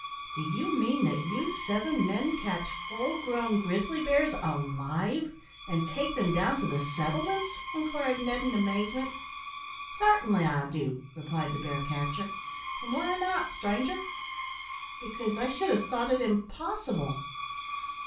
"Do you mean that you seven men catch fall grown grizzly bears alive and take them down to the settlements?" inquired Ned in amazement. "Sartinly I do," replied the bear catcher; "an' why not, stranger?" "Because I should have thought it impossible."